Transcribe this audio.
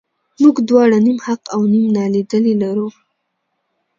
موږ دواړه نیم حق او نیم نالیدلي لرو.